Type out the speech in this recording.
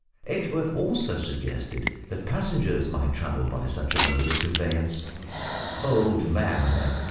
Edgeworth also suggested that passengers might travel by such a mode of conveyance. Bold man!